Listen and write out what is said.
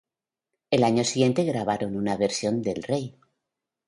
Al año siguiente grabaron una versión de El Rey.